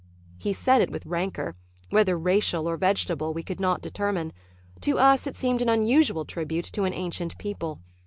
He said it with rancor, whether racial or vegetable we could not determine. To us it seemed an unusual tribute to an ancient people.